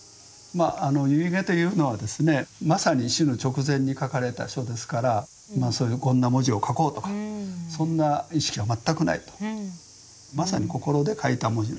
遺偈というのはですねまさに死の直前に書かれた書ですからこんな文字を書こうとかそんな意識は全くないと。